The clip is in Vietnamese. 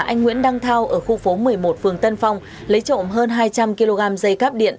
anh nguyễn đăng thao ở khu phố một mươi một phường tân phong lấy trộm hơn hai trăm linh kg dây cắp điện